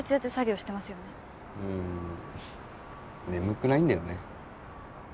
うーん眠くないんだよね。